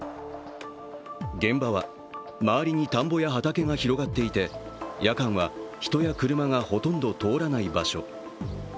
現場は周りに田んぼや畑が広がっていて夜間は人や車がほとんど通らない場所。